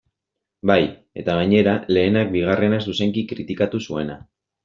Bai, eta gainera, lehenak bigarrena zuzenki kritikatu zuena.